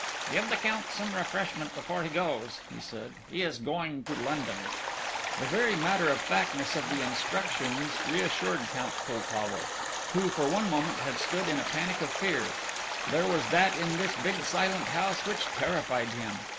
"Give the Count some refreshment before he goes," he said; "he is going to London." The very matter of factness of the instructions reassured Count Poltavo, who for one moment had stood in a panic of fear; there was that in this big silent house which terrified him.